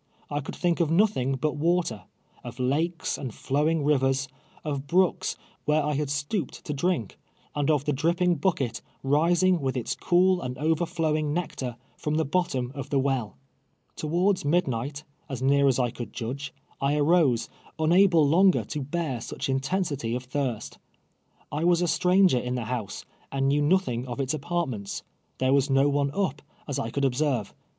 I could thiidv of nothing but Avater — of lakes and flowing rivers, of l)rooks where I had stooped to drink, and of the dri])ping bucket, rising with its cool and overflowing nectar, from the bottom of the well. Towards midnight, as near as I could judge, I arose, niud)Ie longer to bear such intensity of thii st. I was a stranger in the liouse, and knew nr)thing of its apartments. There was no one up, as I could observe.